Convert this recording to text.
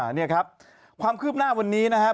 นี่ครับความคืบหน้าวันนี้นะครับ